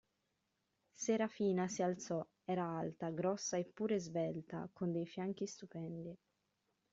Serafina si alzò: era alta, grossa eppure svelta, con dei fianchi stupendi.